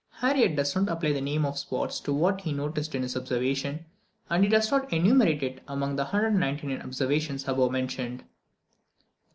Harriot does not apply the name of spots to what he noticed in this observation, and he does not enumerate it among the 199 observations above mentioned.